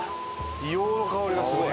硫黄の香りがすごい。